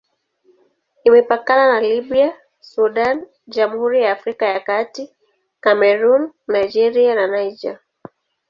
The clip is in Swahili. Imepakana na Libya, Sudan, Jamhuri ya Afrika ya Kati, Kamerun, Nigeria na Niger.